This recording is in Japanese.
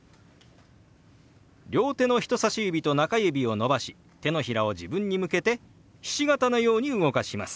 両手の人さし指と中指を伸ばし手のひらを自分に向けてひし形のように動かします。